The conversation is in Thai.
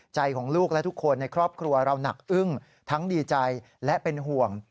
ใจของลูกและทุกคนในครอบครัวเราหนักอึ้งทั้งดีใจและเป็นห่วง